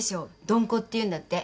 どんこって言うんだって。